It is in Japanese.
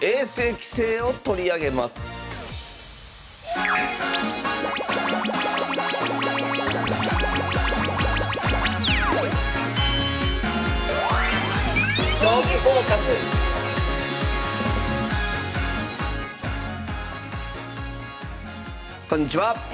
棋聖を取り上げますこんにちは。